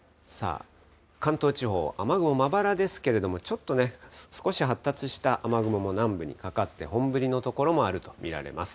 関東地方、雨雲、まばらですけれども、ちょっと少し発達した雨雲も南部にかかって、本降りの所もあると見られます。